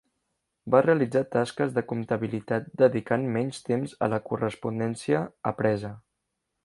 Va realitzar tasques de comptabilitat, dedicant menys temps a la correspondència apresa.